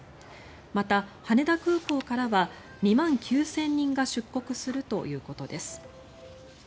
また、羽田空港からは２万９０００人が出国するということです。